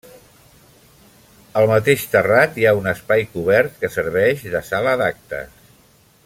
Al mateix terrat hi ha un espai cobert que serveix de sala d'actes.